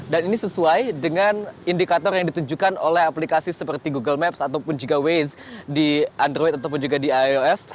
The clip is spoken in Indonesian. dan ini sesuai dengan indikator yang ditunjukkan oleh aplikasi seperti google maps ataupun juga waze di android ataupun juga di ios